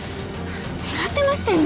狙ってましたよね